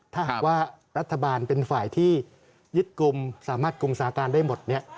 ถ้าหากว่ารัฐบาลเป็นฝ่ายที่ยึดกลุ่มสามารถกลุ่มสาการได้หมดเนี่ย